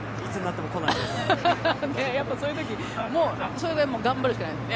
そういう時それでも頑張るしかないね？